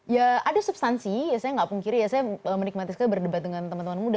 ya ada substansi ya saya nggak pungkiri ya saya menikmati sekali berdebat dengan teman teman muda